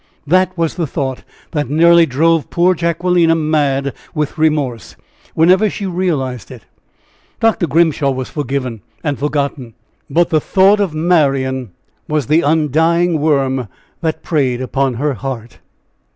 that was the thought that nearly drove poor Jacquelina mad with remorse, whenever she realized it. Dr. Grimshaw was forgiven, and forgotten; but the thought of Marian was the "undying worm," that preyed upon her heart.